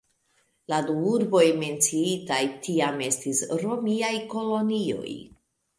La du urboj menciitaj tiam estis romiaj kolonioj.